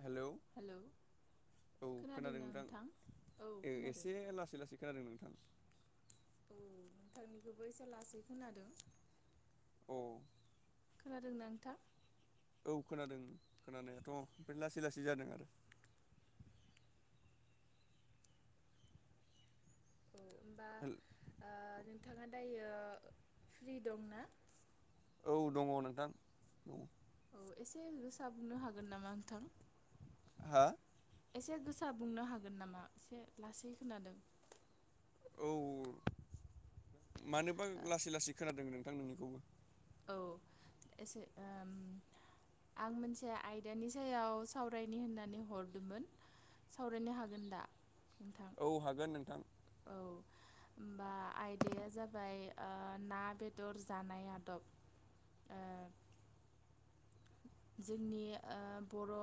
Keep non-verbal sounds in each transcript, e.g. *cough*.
Hello हेल' *inaudible* खोनादों ना नोंथां औ खोनादों एसे *inaudible* लासै लासै खोनादों नोंथां औ नोंथांनिखौबो एसे लासै खोनादों *unintelligible* औ खोनादों नोंथा औ खोनादों खोनानायाथ' ओमफ्राय लासै लासै जादों आरो। औ होमबा नोंथाङा दायो फ्रि दं ना। औ दङ नोंथां औ एसे गोसा बुंनो हागोन नामा नोंथां हा एसे गोसा बुंनो हागोन नामा एसे लासै खोनादों। औ मानोबा लासै लासै खोनादों नोंथां नोंनिखौबो। औ एसे ओम आं मोनसे आयदानि सायाव सावरायनि होननानै हरदोंमोन। सावरायनो हागोन दा? नोंथां औ हागोन नोंथां। औ। होमबा आयदाया जाबाय ना बेदर जानाय आदब आरो जोंनि ओ बर'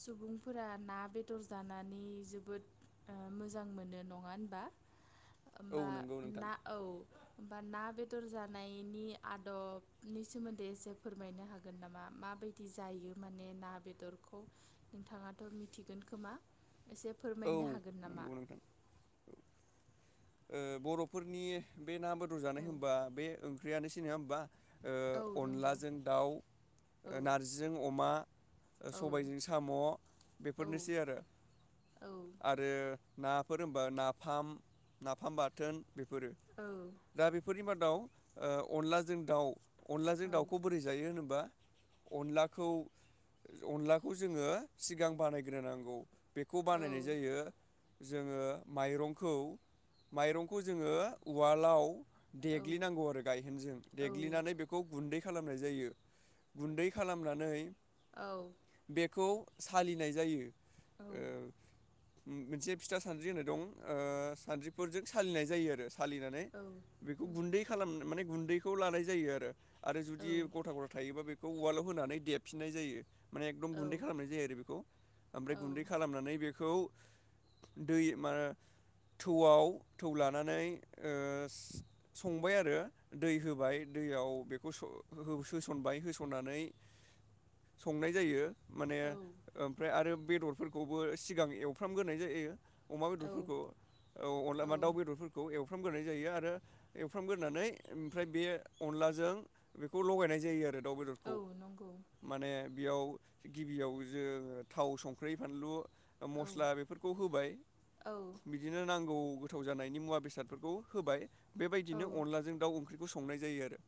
सुबुंफोरा ना बेदर जानानै जोबोद मोजां मोनो नङा होनबा औ होमबा नंगौ नोंथां ना औ होमबा ना बे -दर जानायनि आदबनि सोमोन्दै एसे फोरमायनो हागोन नामा माबायदि जायो माने ना बेदरखौ नोंथाङाथ' मिथिगोन खोमा? एसे औ फोरमायनो हागोन नामा?? नंगौ नोंथां ओ बर'फोरनि बे ना बेदर औ जानाय होमबा बे ओंख्रियानोसै नङा होमबा औ नंगौ अनलाजों दाउ औ नारजिजों अमा औ सबायजों साम' औ बेफोरनोसै आरो। औ नंगौ आरो नाफोर होनबा नाफाम नाफाम बाथोन बेफोरो दा बेफोरनि मादाव ओ अनलाजों दाउ अनलाजों औ दाउखौ बोरै जायो होनोबा अनलाखौ अनलाखौ जोङो सिगां बानायग्रोनांगौ बे बानायनाय जायो जोङो माइरंखौ माइरंखौ जोङो उवालाव देग्लिनांगौ आरो गायहेनजों देग्लिनानै बेखौ गुन्दै खालामनाय जायो गुन्दै खालामनानै बेखौ सालिनाय जायो ओ मोनसे फिथा सानद्रि होननाय दं सानद्रिफोरजों सालिनाय जायो आरो सालिनानै बेखौ गुन्दै खालाम माने गुन्दैखौ लानाय जायो आरो। आरो जुदि गथा गथा थायोबा बेखौ उवालाव होनानै देबफिननाय जायो। माने एकदम गुन्दै खालामनाय जायो आरो बेखौ ओमफ्राय गुन्दै खालामनानै बेखौ दै मा थौआव थौ लानानै ओस संबाय आरो दै होबाय दैयाव बेखौ होसनबाय होसननानै संनाय जायो। माने ओमफ्राय आरो बेदरफोरखौबो सिगां एवफ्रामग्रोनाय जायो। अमा औ बेदरफोरखौ औ अनला मा दाउ बेदरफोरखौ एव एवफ्रामग्रोनाय जायो आरो एवफ्रामग्रोनानै ओमफ्राय बे अनलाजों बेखौ लगायनाय जायो आरो दाउ बेदरखौ माने बेयाव गिबियाव जोङो थाव संख्रि फानलु मस्ला बेफोरखौ होबाय बिदिनो नांगौ गौ गोथाव जानायनि मुवा बेसादफोरखौ होबाय औ बेबायदिनो अनलाजों दाउ ओंख्रिखौ संनाय जायो आरो।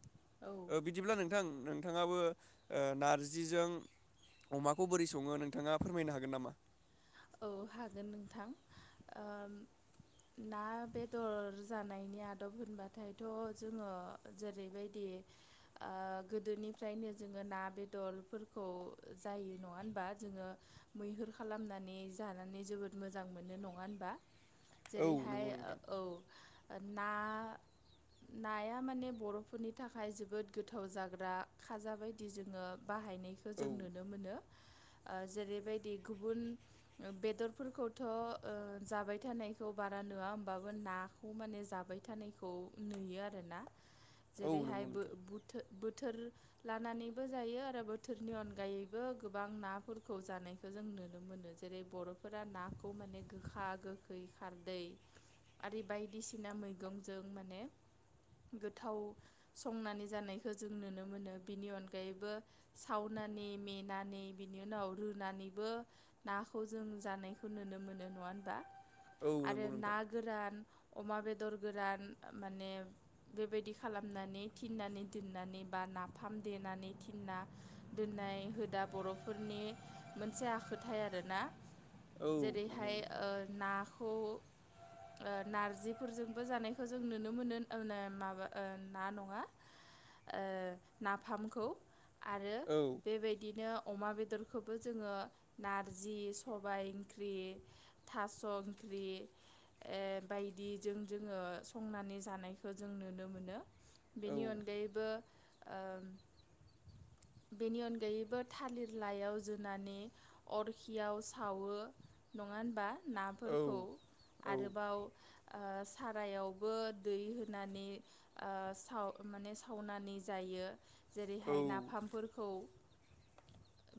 ओ बिदिब्ला नोंथां नोंथाङाबो ओ नारजिजों अमाखौ बोरै सङो नोंथाङा फोरमायनो हागोन नामा? औ हागोन नोंथां ओ ना बेदर जानायनि आदब होनबाथायथ' जोङो जेरैबायदि ओ गोदोनिफ्रायनो जोङो ना बेदरफोरखौ जायो नङा होनबा? दा जोङो मैहुर खालामनानै जानानै जोबोद मोजां मोनो नङा होनबा औ जेरैहाय नंगौ नोंथां औ ना नाया माने बर'फोरनि थाखाय जोबोद गोथाव जाग्रा खाजा बायदि जोङो बाहायनायखौ औ जों नुनो मोनो ओ जेरैबायदि गुबुन बेदरफोरखौथ' ओ जाबाय थानायखौ बारा नुवा होमबाबो नाखौ माने जाबाय थाबाय थानायखौ नुयो आरोना औ जेरैहाय नंगौ बो नोंथां बुथ बोथोर लानानैबो जायो आरो बोथोरनि अनगायैबो गोबां नाफोरखौ जानायखौ जों नुनो मोनो जेरै बर'फोरा नाखौ माने गोखा गोखै खारदै आरो बायदिसिना मैगंजों माने गोथाव संनानै जानायखौ जों नुनो मोनो बेनि अनगायैबो साउन् नानै मेनानै बिनि उनाव रुनानैबो नाखौ जों जानायखौ नुनो मोनो नङा होनबा औ आरो नंगौ ना नोंथां गोरान अमा बेदर गोरान माने बेबायदि खालामनानै थिन्नानै दोननानै बा नाफाम देनानै थिन्ना दोननानै नाय हुदा बर'फोरनि मोनसे आखो थाय आरोना औ नंगौ जेरैहाय नोंथां ओ नाखौ ओ नारजिफोरजोंबो जानायखौ जों नुनो मोनो अ ना माबा ना नङा ओ नाफामखौ आरो औ बेबायदिनो अमा बेदरखौबो जोङो नारजि सबाय ओंख्रि थास' ओंख्रि ओ बायदि बिजों जोङो संनानै जानायखौ जों नुनो मोनो औ बेनि अनगायैबो ओ बेनि अनगायैबो थालिर लायाव जुनानै अरखियाव सावो नङा होनबा? औ नाफोरखौ आरोबाव ओ सारायावबो दै होनानै ओ साव माने सावनानै जायो जेरैहाय औ नाफामफोरखौ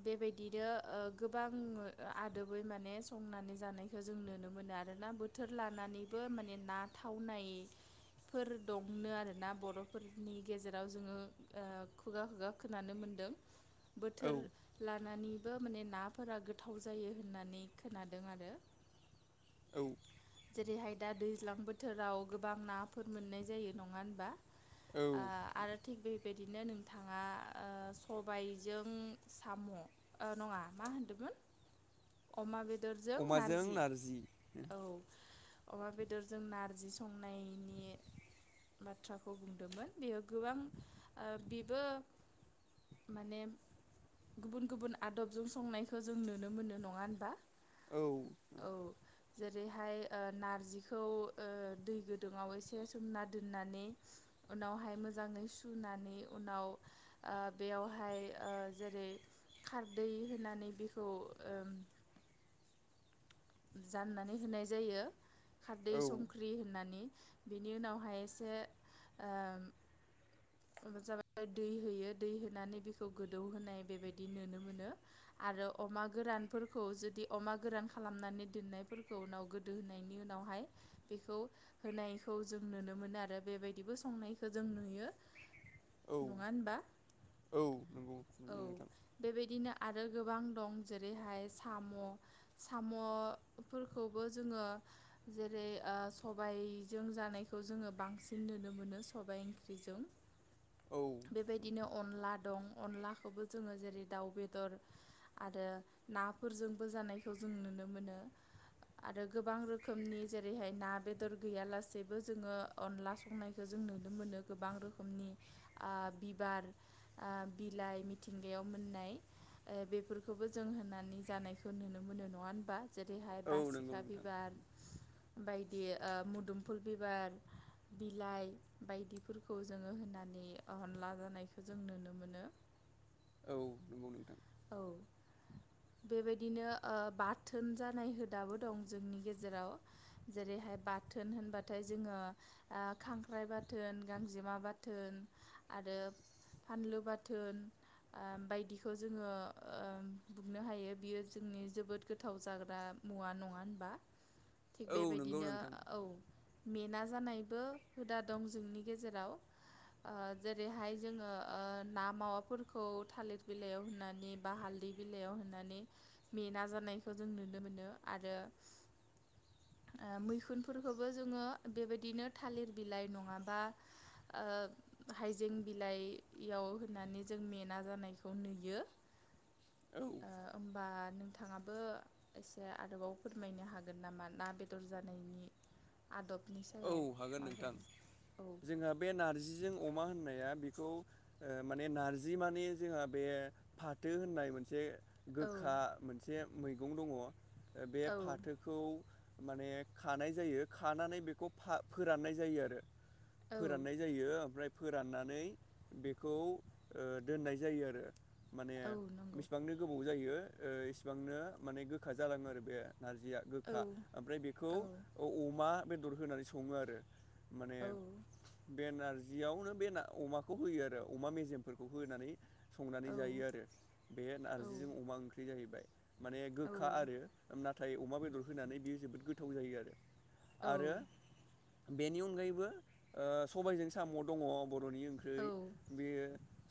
बेबायदिनो ओ गोबां ओ आदोबै माने संनानै जानायखौ जों नुनो मोनो आरोना बोथोर लानानैबो बो माने ना थावनाय फोर दंनो आरोना बर'फोरनि गेजेराव जोङो ओ खुगा खुगा खोनानो मोनो दों बथोर औ लानानैबो माने ना फोरा गोथाव जायो होननानै खोनादों आरो औ जेरैहाय दा दैज्लां बोथोराव गोबां नाफोर मोननाय जायो नङा होनबा? आ औ आरो थिक बे बिदिनो नोंथाङा ओ सबायजों साम' ओ नङा मा होनदों दाबोन अमा बेदरजों नारजि औ। अमा बेदरजों नारजि संनायनि बाथ्राखौ बुंदोंमोन बेयो गोबां ओ बेबो माने गुबुन गुबुन आदबजों संनाय जों नुनो मोनो नङा होनबा? औ। औ जेरैहाय ओ नारजिखौ ओ दै गोदुङाव एसे सोमना दोननानै उनावहाय मोजाङै सुनानै उनाव ओ बेयावहाय ओ जेरै खारदै होनानै बेखौ ओ जाननानै होनाय जायो खारदै औ संख्रि होननानै बेनि उनावहाय एसे ओ जाबाय दै होयो दै होनानै बेखौ गोदौ होनोनाय बेबायदि नुनो मोनो आरो अमा गोरानफोरखौ जुदि अमा गोरान खालामनानै दोननायफोरखौ उनाव गोदो होनायनि उनावहाय बेखौ होनायखौ जों नुनो मोनो आरो बेबायदिबो संनायखौ जों नुयो। औ नङा होनबा औ नंगौ औ नुयो नोंथां बेबायदिनो आरो गोबां दं जेरैहाय साम' साम' फोरखौबो जोङो जेरै ओ सबायजों जानायखौ जोङो बांसिन नुनो मोनो सबबाय ओंख्रिजों औ बेबायदिनो अनला दं अनलाखौबो जोङो जेरै दाउ बेदर आरो ना हाफोरजोंबो जानायखौ जों नुनो मोनो। आरो गोबां रोखोमनि जेरैहाय ना बेदर गैयालासेबो जोङो अनला संनायखौ जों नु नुनो मोनो गोबां रोखोमनिआ ओ बिबार ओ बिलाइ मिथिंगायाव मोननाय नाय ओ बेफोरखौबो जों होनानै जानायखौ नुनो मोनो नङा होनबा ज जेरैहाय औ नंगौ बासिखा नोंथां बिबार बायदि ओ मोदुमफुल बिबार बिलाइ बायदिफोरखौ जोङो होनानै अनला जानायखौ जों नुनो मोनो। *inaudible* औ नंगौ नोंथां। औ। बेबायदिनो ओ बाथोन जानाय हुदाबो दं जोंनि गेजेराव जेरै बेहाय बाथोन होनबाथाय जोङो ओ खांख्राइ बाथोन गांजेमा बाथोन आरो फानलु बाथोन ओम बायदिखौ जोङो ओम बुंनो हायो बियो जोंनि जोबोद गोथाव जाग्रा मुवा नङा होनबा थिग औ नंगौ बेबायदिनो नोंथां औ। मेना जानायबो हुदा दं जोंनि गेजेराव ओ जेरैहाय जोङो ओ ना मावाफोरखौ थालिर बिलाइयाव हो नानि बा हालदै बिलाइयाव होनानै मेना जानायखौ जों नुनो मोनो आरो *inaudible* ओ मैखुनफोरखौबो जोङो बेबायदिनो थालिर बिलाइ नङाबा ओ हाइजें बिलाइयाव होननानै जों मेना जानायखौ नुयो। औ। ओ होमबा नोंथाङाबो एसे आरोबाव फोरमायनो हागोन नामा ना बेदर जानायनि आदब औ हागोन नोंथां जोंहा बे नारजिजों अमा होननाया बे बेखौ माने नारजिमाने जोंहा बे फाथो होननाय मोनसे औ गोखा मोनसे मैगं दङ बे औ फाथोखौ माने खानाय जायो खानानै बेखौ फा फोराननाय जायो आरो औ फोराननाय जायो ओमफ्राय फोराननानै बेखौओ दोननाय जायो आरो। माने औ नंगौ बेसेबांनो गोबाव जायो ओ इसिबांनो माने गोखा जालाङो आरो बे। नारजिया औ गोखा ओमफ्राय बेखौ औ आं अमा बेदर होनानै सङो आरो माने औ बेनारजि बेयावनो बेना अमाखौ होयो आरो अमा मेजेमफोरखौ होनानै औ संनानै जायो आरो बे औ नारजिजों अमा ओंख्रि जाहैबाय। माने औ गोखा आरो नाथाय अमा बेदर होनानै बियो जोबोद गोथाव जायो आरो। आरो बेनि अनगायैबो ओ सबायजों साम' दङ। बर'नि ओंख्रिै बे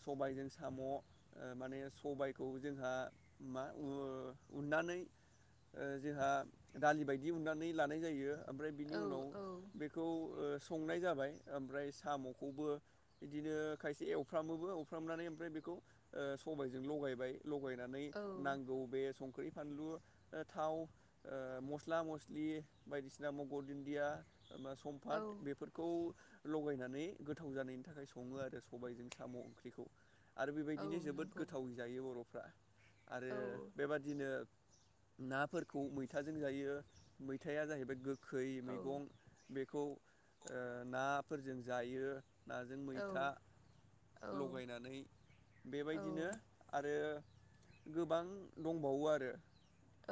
सबायजों साम' ओ माने सबायखौ जोंहा मा उ -नानै ओ जोंहा दालि बायदि उनानै लानाय जायो ओमफ्राय बिनि उनाव बेखौ *inaudible* ओ संनाय जाबाय ओमफ्राय साम'खौबो बिदिनो खायसे एवफ्रामोबो एवफ्रामनानै ओमफ्राय बेखौ ओ सबायजों लगायबाय लगायनानै औ नांगौ बे संख्रि फानलु ओ थाव ओ मस्ला-मस्लि बायदिसिना मगर दुन्दिया मा सम्पाद औ बेफोरखौ लगायनानै गोथाव जानायनि थाखाय सङो आरो सबायजों साम' ओंख्रिखौ आरो बेबायदिनो जोबोद नंगौ गोथाव जायो बर'फ्रा आरो औ बेबादिनो नाफोरखौ मैथाजों जायो मैथाया जाहैबाय गोखै औ मैगं बेखौ ओ नाफोरजों जायो। नाजों मैथा लगायनानै बेबायदिनो आरो गोबां दंबावो आरो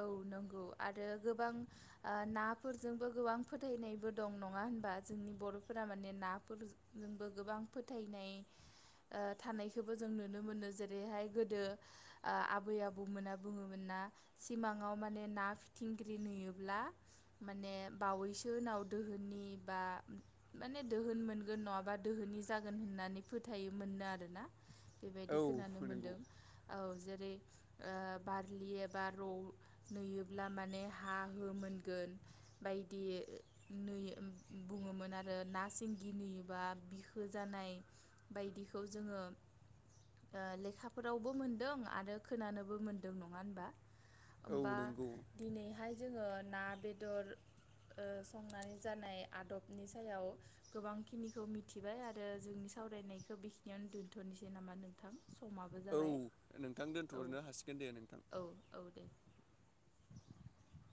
औ नंगौ आरो गोबां ओ नाफोरजोंबो गोबां फोथायनायबो दं नङा होनबा जोंनि बर'फोरा माने नाफोरजोंबो गोबां फोथायनाय ओ थानायखौबो जों नुनो मोनो जेरैहाय गोदो ओ आबै-आबौमोना बुङोमोन ना सिमाङाव मानि ना फिथिंग्रि नुयोब्ला माने बावैसो उनाव दोहोननि बा माने दोहोन मोनगोन नङाबा दोहोन दि जागोन होननानै फोथायोमोननो आरोना बेबायदि औ खोनानो नंगौ मोनदों औ जेरै बारलि एब बा रौ नुयोब्ला माने हा हो नुगोन बायदि बै उम बुङोमोन आरो ना सिंगि नुयोबा बिखो जानाय बायदिखौ जोङो ओ लेखाफोरावबो मोनदों आरो खोनानोबो मोनदों नङा होनबा औ होमबा नंगौ दिनैहाय जोङो ना, बेदर ओ संनानै जानाय आदबनि सायाव गोबांखिनिखौ मिथिबाय आरो जोंनि सायाव सावरायनायखौ बिखिनियावनो दुनथ'नोसै नामा नोंथां समाबो औ जाबाय नोंथां औ दोनथ'नो हासिगोन दे नोंथां औ द *inaudible*